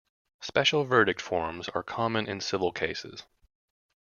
Special verdict forms are common in civil cases.